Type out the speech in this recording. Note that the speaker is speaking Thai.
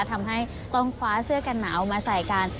ทำให้ต้องคว้าเสื้อกันหนาวมาใส่กัน